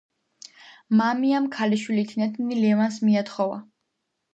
მამიამ ქალიშვილი თინათინი ლევანს მიათხოვა.